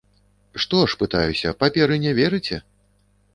Што ж, пытаюся, паперы не верыце?